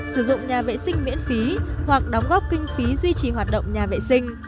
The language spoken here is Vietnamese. sử dụng nhà vệ sinh miễn phí hoặc đóng góp kinh phí duy trì hoạt động nhà vệ sinh